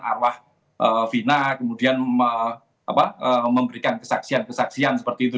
arwah fina kemudian memberikan kesaksian kesaksian seperti itu